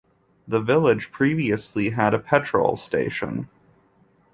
The village previously had a petrol station.